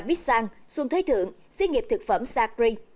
viet sang xuân thế thượng xí nghiệp thực phẩm sakri